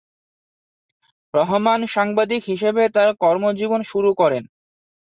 রহমান সাংবাদিক হিসেবে তার কর্মজীবন শুরু করেন।